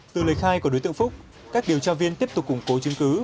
từ lời khai của đối tượng phúc các điều tra viên tiếp tục củng cố chứng cứ